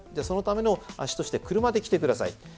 そのための足として車で来て下さい。